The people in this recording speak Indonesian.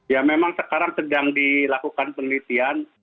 ya memang sekarang sedang dilakukan penelitian